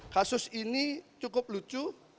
kasus ini cukup lucu